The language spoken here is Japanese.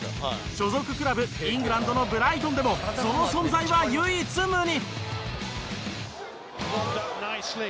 所属クラブイングランドのブライトンでもその存在は唯一無二。